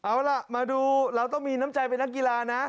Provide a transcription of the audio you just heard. เอาล่ะมาดูเราต้องมีน้ำใจเป็นนักกีฬานะ